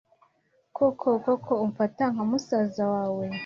koko ko umfata nkamusaza we